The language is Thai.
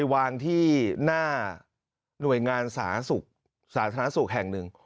วางที่หน้าหน่วยงานสาธารณสุขสาธารณสุขแห่งหนึ่ง